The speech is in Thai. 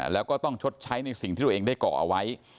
แล้วก็ต้องชดใช้ในสิ่งที่ตัวเองได้ก่อเอาไว้